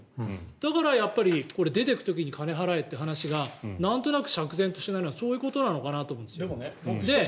だから、出ていく時に金払えって話がなんとなく釈然としないのはそういうことかなと思います。